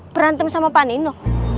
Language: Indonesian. berantem sama pak nino